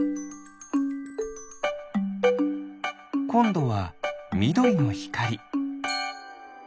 こんどはみどりのひかり。